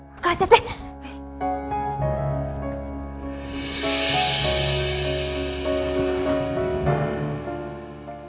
buka aja deh